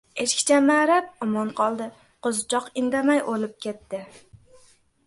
• Echkicha ma’rab omon qoldi, qo‘zichoq indamay o‘lib ketdi.